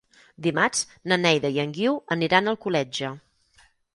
Dimarts na Neida i en Guiu aniran a Alcoletge.